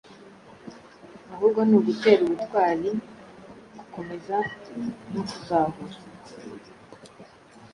ahubwo ni ugutera ubutwari, gukomeza no kuzahura.